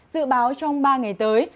dự báo trong ba ngày tới